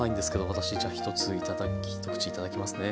私じゃ一口いただきますね。